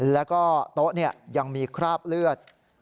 แล้วก็โต๊ะยังมีคราบเลือด